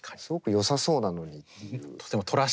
すごくよさそうなのにっていう。